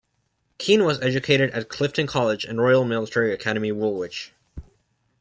Keane was educated at Clifton College and Royal Military Academy Woolwich.